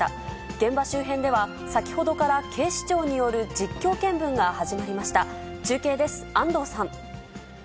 現場周辺では、先ほどから警視庁による実況見分が始まりました。